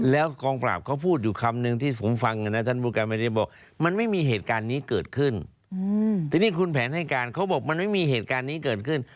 แล้วกองปราบเขาพูดอยู่คำนึงที่ผมฟังนะท่านผู้การไม่ได้บอกมันไม่มีเหตุการณ์นี้เกิดขึ้นทีนี้คุณแผนให้การเขาบอกมันไม่มีเหตุการณ์นี้เกิดขึ้น